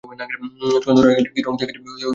চলন্ত রেলগাড়ি কী রঙ দেখা যায় দেখতে কইলেন।